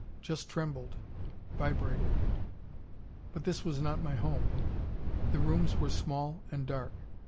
Just trembled; vibrated. "But this was not my home. The rooms were small and dark.